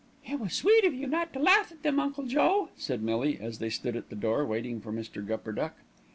"It was sweet of you not to laugh at them, Uncle Joe," said Millie, as they stood at the door waiting for Mr. Gupperduck.